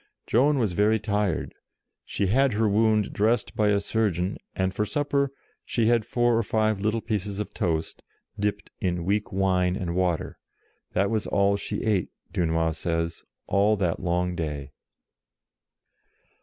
Joan was very tired : she had her wound dressed by a surgeon, and, for supper, she had four or five little pieces of toast, dipped SAVES ORLEANS 47 in weak wine and water: that was all she ate, Dunois says, all that long day.